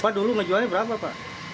pak dulu ngejualnya berapa pak